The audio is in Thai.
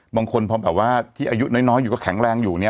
บางคนพอแบบว่าที่อายุน้อยอยู่ก็แข็งแรงอยู่เนี่ย